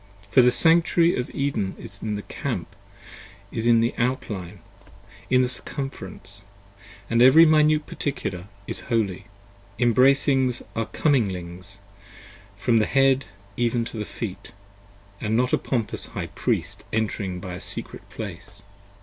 For the Sanctuary of Eden is in the Camp, in the Outline, In the Circumference: & every Minute Particular is Holy: Embraces are Cominglings, from the Head even to the Feet, And not a pompous High Priest entering by a Secret Place.